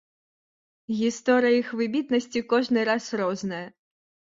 Гісторыя іх выбітнасці кожны раз розная.